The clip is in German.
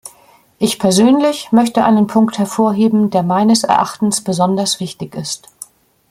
Ich persönlich möchte einen Punkt hervorheben, der meines Erachtens besonders wichtig ist.